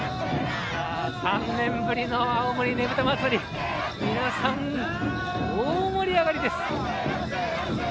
３年ぶりの青森ねぶた祭皆さん大盛り上がりです。